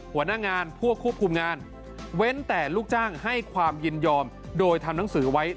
หัวหน้างานพวกควบคุมงานเว้นแต่ลูกจ้างให้ความยินยอมโดยทำหนังสือไว้